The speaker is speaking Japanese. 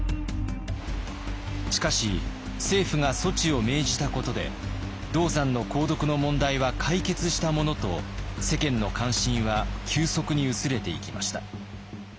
しかし政府が措置を命じたことで銅山の鉱毒の問題は解決したものと世間の関心は急速に薄れていきました。